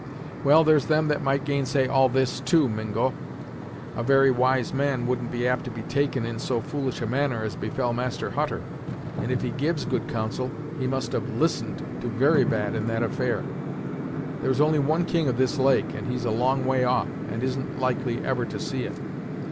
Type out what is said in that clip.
"Well, there's them that might gainsay all this, too, Mingo. A very wise man wouldn't be apt to be taken in so foolish a manner as befell Master Hutter, and if he gives good counsel, he must have listened to very bad in that affair. There's only one king of this lake, and he's a long way off, and isn't likely ever to see it.